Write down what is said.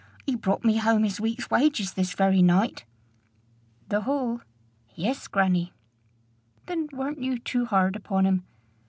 he brought me home his week's wages this very night." "The whole?" "Yes, grannie" "Then weren't you too hard upon him?